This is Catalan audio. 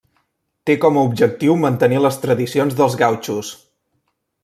Té com a objectiu mantenir les tradicions dels gautxos.